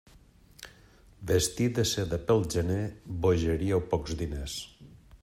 Vestir de seda pel gener; bogeria o pocs diners.